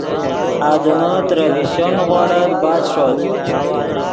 آدمے ترے فیشچو نیغوڑت بچ ݰوت